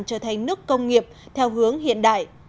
trở thành nước công nghiệp theo hướng hiện đại